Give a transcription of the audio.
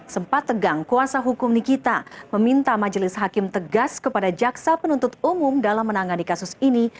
sempat tegang kuasa hukum nikita meminta majelis hakim tegas kepada jaksa penuntut umum dalam menangani kasus ini